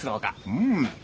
うん？